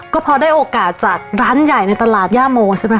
ก็พอได้โอกาสจากร้านใหญ่ในตลาดย่าโมใช่ไหมค